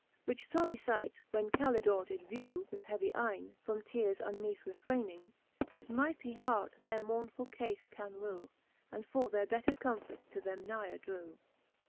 Which forie fight when Calidorc did vew With heavie eyne, from teares uneath refrayning, His mightie hart their mournefiill cafe can rew, And for their better comfort to them nigher drew.